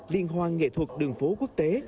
liên hoan nghệ thuật đường phố quốc tế